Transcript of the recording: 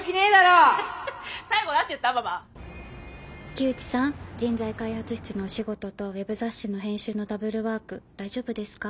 木内さん人材開発室のお仕事とウェブ雑誌の編集のダブルワーク大丈夫ですか？